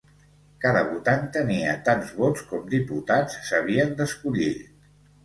Cada votant tenia tants vots com diputats s'havien d'escollir.